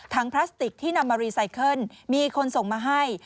พลาสติกที่นำมารีไซเคิลมีคนส่งมาให้